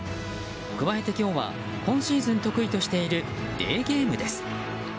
加えて、今日は今シーズン得意としているデーゲームです。